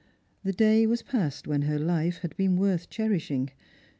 The day was past when her Ufe had been worth cherish ing.